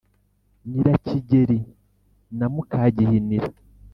nyirakigeri na muka gihinira